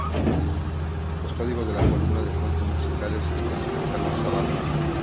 Los códigos de la columna de "Fuentes musicales" se especifican más abajo.